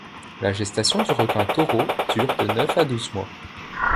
La gestation du requin-taureau dure de neuf à douze mois.